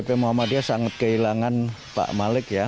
pp muhammadiyah sangat kehilangan pak malik ya